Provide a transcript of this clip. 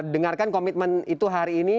dengarkan komitmen itu hari ini